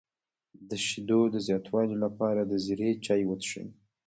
د شیدو د زیاتوالي لپاره د زیرې چای وڅښئ